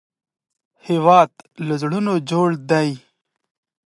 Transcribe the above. هېواد له زړونو جوړ دی